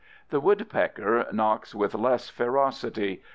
The woodpecker knocks with less ferocity.